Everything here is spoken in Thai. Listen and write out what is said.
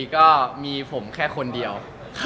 ก็มีผมแค่คนเดียว